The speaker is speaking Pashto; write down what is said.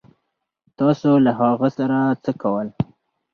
تاسو له هغه سره څه کول